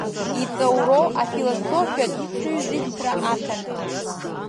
Иҵоуроу афилософиатә хшыҩзышьҭра аҭаны.